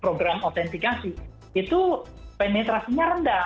program autentikasi itu penetrasinya rendah